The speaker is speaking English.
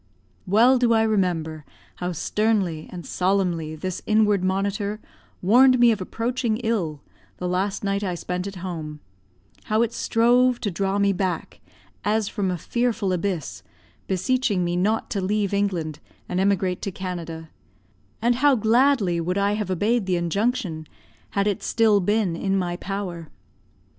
Well do I remember how sternly and solemnly this inward monitor warned me of approaching ill, the last night I spent at home; how it strove to draw me back as from a fearful abyss, beseeching me not to leave England and emigrate to Canada, and how gladly would I have obeyed the injunction had it still been in my power.